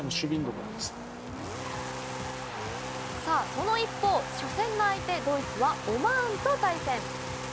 その一方初戦の相手、ドイツはオマーンと対戦。